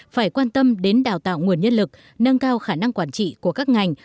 phải quan tâm đến đào tạo nguồn nhân lực nâng cao khả năng quản trị của các ngành